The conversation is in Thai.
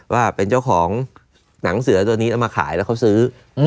ว่าเป็นเจ้าของหนังเสือตัวนี้เอามาขายแล้วเขาซื้อ